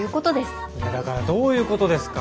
だからどういうことですか？